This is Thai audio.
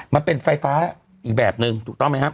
มันเป็นไฟฟ้าอีกแบบนึงถูกต้องไหมครับ